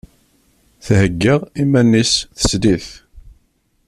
Thegga iman-is teslit.